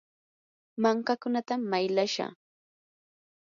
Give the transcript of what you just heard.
mankakunatam maylashaa.